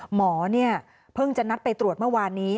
หมอเพิ่งจะนัดไปตรวจเมื่อวานนี้